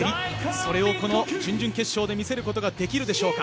それをこの準々決勝で見せることはできるでしょうか。